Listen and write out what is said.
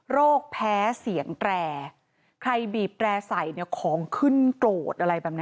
แพ้เสียงแตรใครบีบแตร่ใส่เนี่ยของขึ้นโกรธอะไรแบบนี้